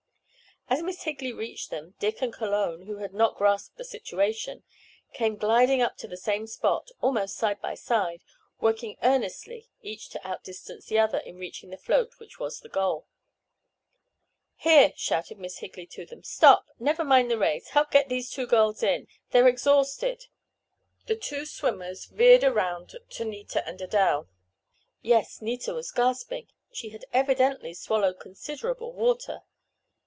As Miss Higley reached them, Dick and Cologne, who had not grasped the situation, came gliding up to the same spot, almost side by side, working earnestly, each to outdistance the other in reaching the float which was the goal. "Here!" shouted Miss Higley to them. "Stop! Never mind the race! Help get these two girls in. They're exhausted!" The two swimmers veered around to Nita and Adele. Yes, Nita was gasping! She had evidently swallowed considerable water.